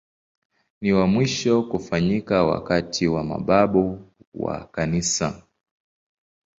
Ni wa mwisho kufanyika wakati wa mababu wa Kanisa.